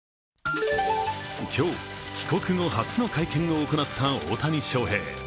今日、帰国後初の会見を行った大谷翔平。